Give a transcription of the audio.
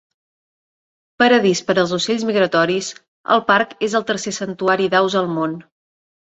Paradís per als ocells migratoris, el parc és el tercer santuari d'aus al món.